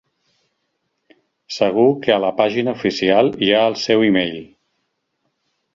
Segur que a la pàgina oficial hi ha el seu e-mail.